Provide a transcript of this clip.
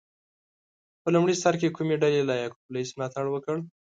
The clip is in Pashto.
په لومړي سر کې کومې ډلې له یعقوب لیث ملاتړ وکړ؟